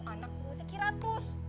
anak umutnya kiratus